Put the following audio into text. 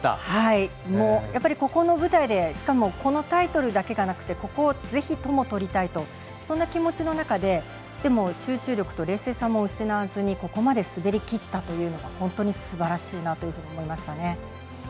やっぱり、ここの舞台でしかもこのタイトルだけがなくてここを、ぜひともとりたいとそんな気持ちの中ででも、集中力と冷静さも失わずにここまで滑りきったというのは本当にすばらしいなと思いましたね。